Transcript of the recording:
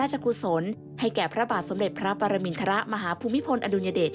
ให้แก่พระบาทสมเร็จพระปรมิณฑระมหาภูมิพลอดุลยเดช